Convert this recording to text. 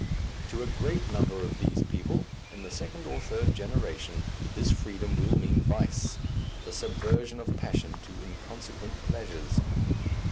To a great number of these people, in the second or third generation, this freedom will mean vice, the subversion of passion to inconsequent pleasures.